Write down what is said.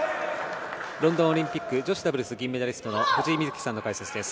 ロンドンオリンピック女子ダブルス銀メダリストの藤井瑞希さんの解説です。